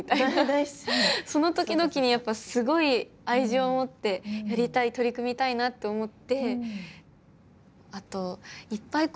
その時々にやっぱすごい愛情を持ってやりたい取り組みたいなって思って。